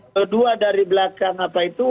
kedua dari belakang apa itu